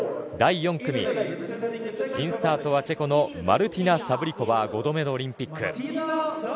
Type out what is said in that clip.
第４組、インスタートはチェコのマルティナ・サブリコバー５度目のオリンピック。